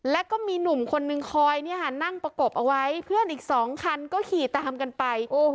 แล้วก็มีหนุ่มคนนึงคอยนั่งประกบเอาไว้เพื่อนอีก๒คันก็ขี่ตามกันไป